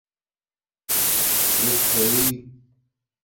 دُو کُھوئئ